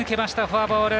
フォアボール。